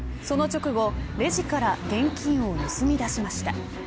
その直後レジから現金を盗み出しました。